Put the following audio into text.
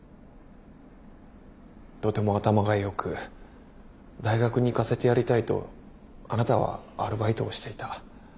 とても頭が良く大学に行かせてやりたいとあなたはアルバイトをしていた。